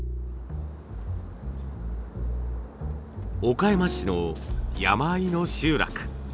岡山市の山あいの集落。